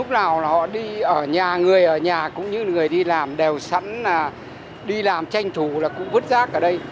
họ tiện lúc nào họ đi ở nhà người ở nhà cũng như người đi làm đều sẵn đi làm tranh thủ là cũng vứt rác ở đây